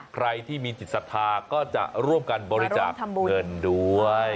ใครที่มีจิตศรัทธาก็จะร่วมกันบริจาคเงินด้วย